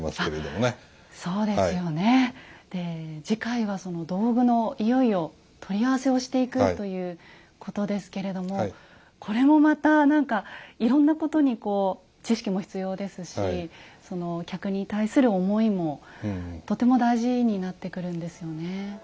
次回は道具のいよいよ取り合わせをしていくということですけれどもこれもまた何かいろんなことにこう知識も必要ですし客に対する思いもとても大事になってくるんですよね。